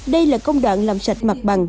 đây là công đoạn làm sạch mặt bằng